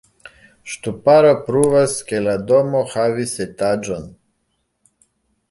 Ŝtuparo pruvas, ke la domo havis etaĝon.